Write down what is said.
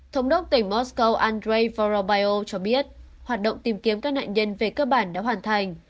thống đốc tỉnh moscow andrei vorobio cho biết hoạt động tìm kiếm các nạn nhân về cơ bản đã hoàn thành